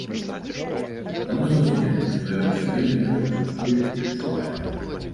Таму зразумела, што ён усё вельмі дакладна чуе і адчувае.